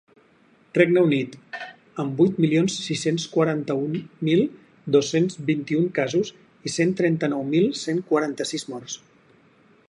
Regne Unit, amb vuit milions sis-cents quaranta-un mil dos-cents vint-i-un casos i cent trenta-nou mil cent quaranta-sis morts.